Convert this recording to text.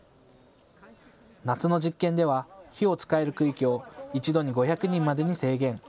夏の実験では火を使える区域を一度に５００人までに制限。